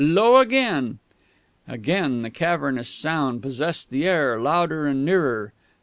Lo, again " Again the cavernous sound possessed the air, louder and nearer.